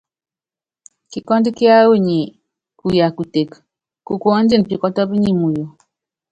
Kikɔ́ndú kíáwɔ nyi kuya kuteke, kukuɔndini pikɔtɔ́pɔ nyi muyu.